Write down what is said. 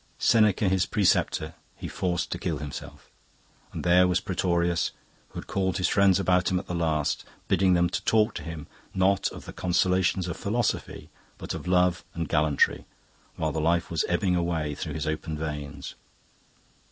'Seneca his preceptor, he forced to kill himself.' And there was Petronius, who had called his friends about him at the last, bidding them talk to him, not of the consolations of philosophy, but of love and gallantry, while the life was ebbing away through his opened veins.